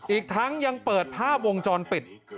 อีกทั้งยังเปิดภาพวงจรปิด